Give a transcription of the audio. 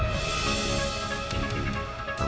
didengarkan memberi hukum